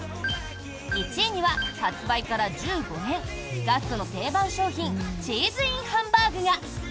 １位には、発売から１５年ガストの定番商品チーズＩＮハンバーグが！